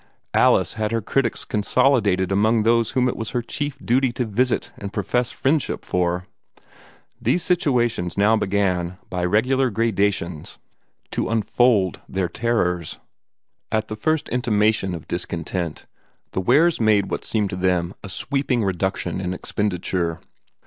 Alice had her critics consolidated among those whom it was her chief duty to visit and profess friendship for. These situations now began, by regular gradations, to unfold their terrors. At the first intimation of discontent, the Wares made what seemed to them a sweeping reduction in expenditure.